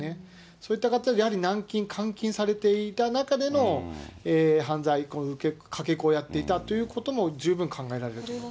そういった方、やはり軟禁、監禁されていた中での犯罪、かけ子をやっていたということも十分考えられると思います。